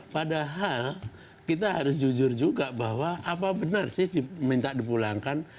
padahal kita harus jujur juga bahwa apa benar sih diminta dipulangkan